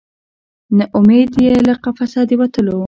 نه امید یې له قفسه د وتلو